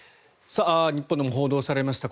日本でも報道されました